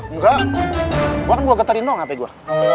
engga gua kan gua getarin doang hape gua